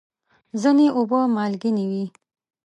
ځینې اوبه مالګینې وي.